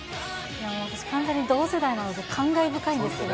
私、完全に同世代なので、感慨深いんですよ。